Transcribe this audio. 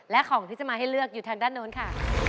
และของที่จะมาให้เลือกอยู่ทางด้านโน้นค่ะ